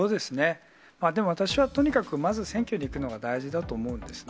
でも私はとにかく、まず選挙に行くのが大事だと思うんですね。